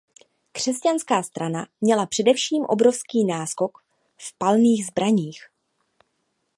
Křesťanská strana měla především obrovský náskok v palných zbraních.